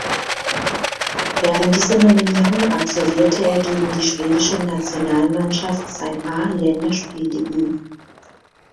Während dieser Nominierung absolvierte er gegen die schwedische Nationalmannschaft sein A-Länderspieldebüt.